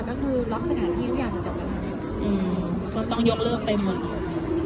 ก็คือล็อกสถานที่ทุกอย่างสะเจ็บกันอืมก็ต้องยกเลิกไปหมด